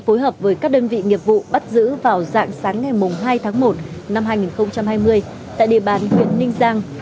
phối hợp với các đơn vị nghiệp vụ bắt giữ vào dạng sáng ngày hai tháng một năm hai nghìn hai mươi tại địa bàn huyện ninh giang